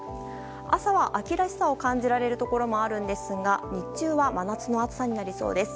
朝は秋らしさを感じられる所もあるんですが、日中は真夏の暑さになりそうです。